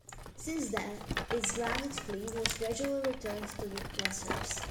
Since then, its grounded fleet was gradually returned to lessors.